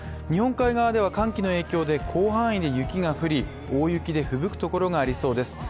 日本海側では寒気の影響で広範囲で雪が降り、大雪で吹雪くところがありそうです。